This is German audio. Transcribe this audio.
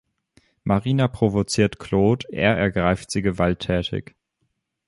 Marina provoziert Claude, er ergreift sie gewalttätig.